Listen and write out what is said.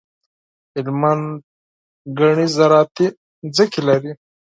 هلمند ګڼي زراعتي ځمکي لري.